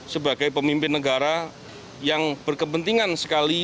sebagai pemimpin negara yang berkepentingan sekali